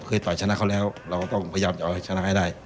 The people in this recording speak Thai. เคยต่อจะชนะเขาแล้วก็ต้องพยายามจะต่อชนะให้ได้